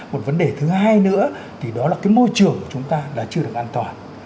một vấn đề thứ hai nữa thì đó là cái môi trường của chúng ta là chưa được an toàn